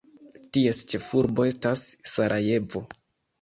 Ties ĉefurbo estas Sarajevo.